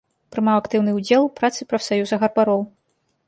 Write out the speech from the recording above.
Прымаў актыўны ўдзел у працы прафсаюза гарбароў.